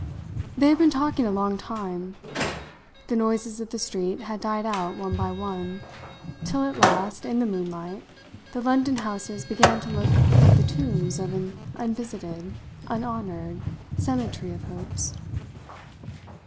They had been talking a long time. The noises of the street had died out one by one, till at last, in the moonlight, the London houses began to look like the tombs of an unvisited, unhonoured, cemetery of hopes.